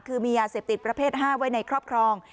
คือมียาเสพติดประเภท๕ไว้ในครอบครอง